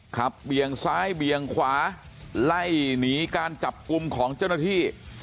เบี่ยงซ้ายเบี่ยงขวาไล่หนีการจับกลุ่มของเจ้าหน้าที่